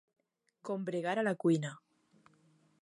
Combregar a la cuina.